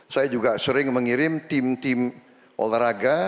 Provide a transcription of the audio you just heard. saya juga sering mengirim tim tim olahraga